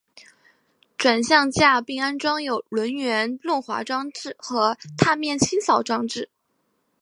转向架并安装有轮缘润滑装置和踏面清扫装置。